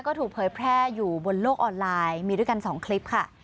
ก็ถูกเผยแพร่อยู่บนโลกออนไลน์มีด้วยกัน๒คลิปค่ะ